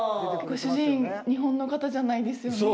ご主人、日本の方じゃないですよね？